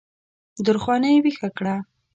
درخانۍ ویښه کړه